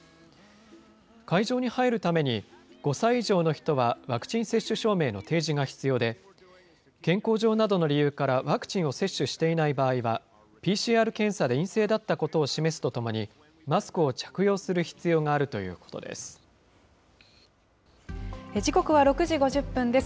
会場に入るために、５歳以上の人はワクチン接種証明の提示が必要で、健康上などの理由からワクチンを接種していない場合は、ＰＣＲ検査で陰性だったことを示すとともに、マスクを着用する必時刻は６時５０分です。